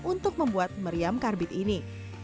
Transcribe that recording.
untuk membuat meriam karbit ini